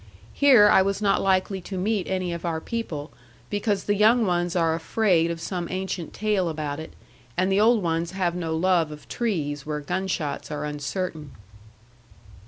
Here I was not likely to meet any of our people because the young ones are afraid of some ancient tale about it, and the old ones have no love of trees where gunshots are uncertain.